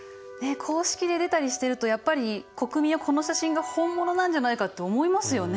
公式で出たりしてるとやっぱり国民はこの写真が本物なんじゃないかって思いますよね。